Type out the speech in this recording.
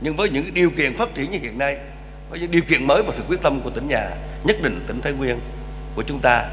nhưng với những điều kiện phát triển như hiện nay với những điều kiện mới và sự quyết tâm của tỉnh nhà nhất định tỉnh thái nguyên của chúng ta